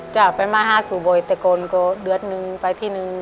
จะไปมาหาสู่บ่อยแต่ก่อนก็เดือนนึงไปที่นึง